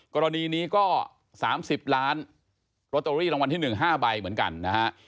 กรณีนี้ก็๓๐ล้านโรตเตอรี่รางวัลที่๑๕ใบเหมือนกันนะฮะ